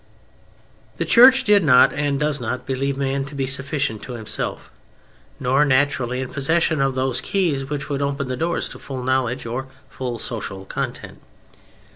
The Church did not, and does not, believe man to be sufficient to himself, nor naturally in possession of those keys which would open the doors to full knowledge or full social content.